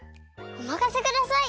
おまかせください！